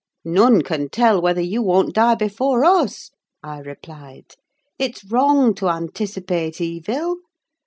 "None can tell whether you won't die before us," I replied. "It's wrong to anticipate evil.